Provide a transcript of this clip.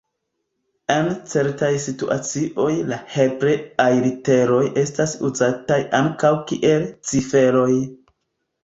En certaj situacioj la hebreaj literoj estas uzataj ankaŭ kiel ciferoj.